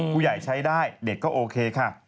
ผู้ใหญ่ใช้ได้เด็กก็โอเคค่ะ